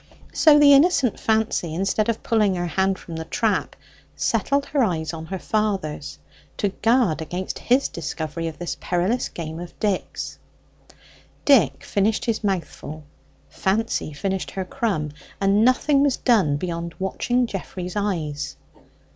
So the innocent Fancy, instead of pulling her hand from the trap, settled her eyes on her father's, to guard against his discovery of this perilous game of Dick's. Dick finished his mouthful; Fancy finished her crumb, and nothing was done beyond watching Geoffrey's eyes.